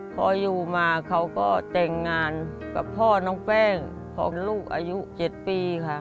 พออยู่มาเขาก็แต่งงานกับพ่อน้องแป้งของลูกอายุ๗ปีค่ะ